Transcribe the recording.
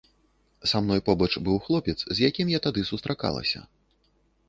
Са мной побач быў хлопец, з якім я тады сустракалася.